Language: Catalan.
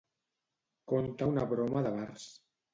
Conta una broma de bars.